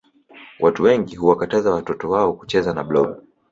Watu wengi huwakataza watoto wao kucheza na blob